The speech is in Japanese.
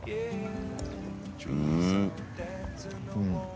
うん。